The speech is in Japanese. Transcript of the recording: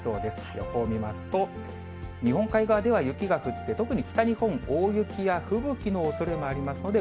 予報見ますと、日本海側では、雪が降って、特に北日本、大雪や吹雪のおそれがありますので、